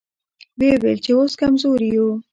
ويې ويل چې اوس کمزوري يو.